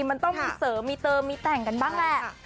มันต้องมีเสริมมีเติมมีแต่งกันบ้างแหละ